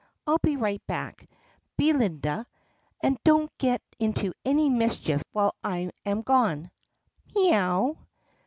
"I 'll be right back, Be linda; and don't get into any mischief while I am gone." "MEE OW!"